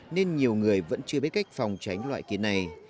nên nhiều người vẫn chưa biết cách phòng tránh loại kia này